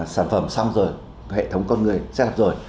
sản phẩm xong rồi hệ thống con người xây dựng rồi